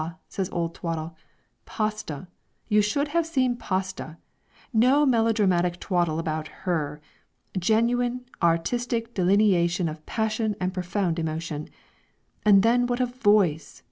says old Twaddle; "Pasta you should have seen Pasta! No melodramatic twaddle about her! Genuine, artistic delineation of passion and profound emotion. And then what a voice!